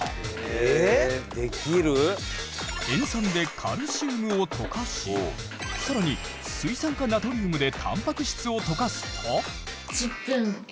塩酸でカルシウムを溶かしさらに水酸化ナトリウムでたんぱく質を溶かすと。